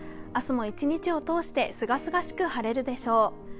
明日も一日を通してすがすがしく晴れるでしょう。